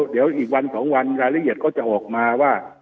เดี๋ยวอีกวัน๒วันรายละเอียดก็จะออกมาว่า